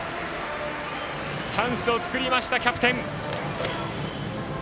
チャンスを作りましたキャプテン。